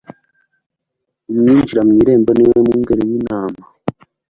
"Uwinjira mu irembo ni we mwungeri w'intama."